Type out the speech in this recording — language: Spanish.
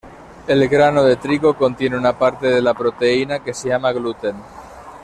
El grano de trigo contiene una parte de la proteína que se llama gluten.